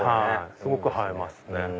すごく映えますね。